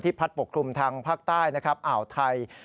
ที่พัดปกคลุมทางภาคใต้อ่าวไทย